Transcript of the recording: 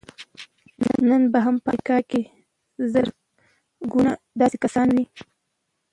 نن به هم په امريکا کې زرګونه داسې کسان وي.